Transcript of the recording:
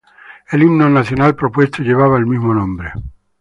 El himno nacional propuesto llevaba el mismo nombre.